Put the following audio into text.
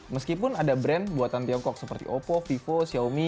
meskipun ada brand buatan tiongkok seperti oppo vivo xiaomi